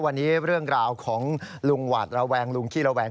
วันนี้เรื่องราวของลุงหวาดระแวงลุงขี้ระแวง